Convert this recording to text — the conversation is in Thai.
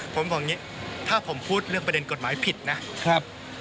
ผมบอกอย่างนี้ถ้าผมพูดเรื่องประเด็นกฎหมายผิดนะครับ